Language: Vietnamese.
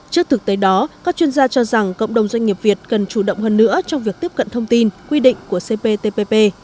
trước thực tế đó các chuyên gia cho rằng cộng đồng doanh nghiệp việt cần chủ động hơn nữa trong việc tiếp cận thông tin quy định của cptpp